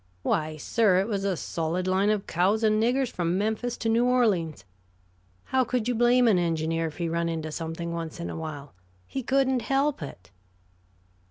Why, sir, it was a solid line of cows and niggers from Memphis to New Orleans. How could you blame an engineer if he run into something once in a while? He couldn't help it."